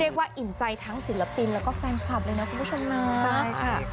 เรียกว่าอินใจทั้งศิลปินแล้วก็แฟนคลับเลยนะคุณผู้ชมมากใช่ค่ะใช่ค่ะ